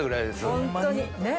ホントにねぇ。